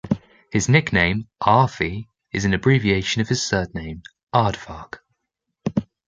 His nickname "Aarfy" is an abbreviation of his surname, Aardvark.